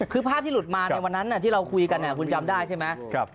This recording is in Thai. คือภาพที่หลุดมาในวันนั้นที่เราคุยกันคุณจำได้ใช่ไหม